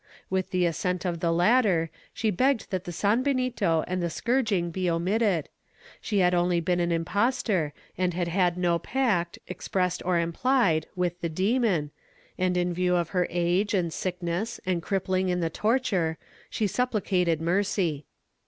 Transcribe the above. With the assent of the latter, she begged that the sanbenito and the scourging be omitted; she had only been an impostor and had had no pact, expressed or impHed, with the demon, and in view of her age and sickness and crippling in the torture she supplicated mercy.